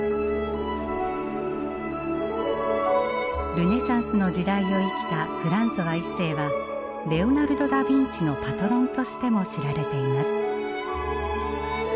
ルネサンスの時代を生きたフランソワ一世はレオナルド・ダビンチのパトロンとしても知られています。